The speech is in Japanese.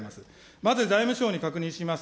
まず財務省に確認します。